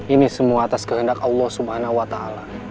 ini semua atas kehendak allah subhanahu wa ta'ala